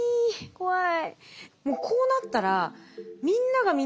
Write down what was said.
怖い。